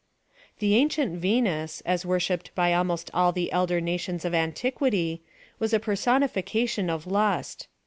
The ancient Venus, as worshipped by almost all the elder nations of antiquity, was a personification of lust.